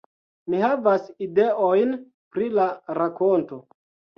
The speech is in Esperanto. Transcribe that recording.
- Mi havas ideojn pri la rakonto